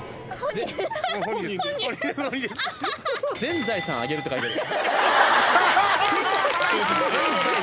「全財産あげる」って書いてある。